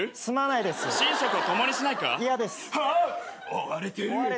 追われてる。